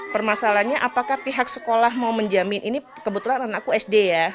permasalahannya apakah pihak sekolah mau menjamin ini kebetulan anakku sd ya